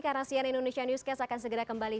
di sian indonesia newscast akan segera kembali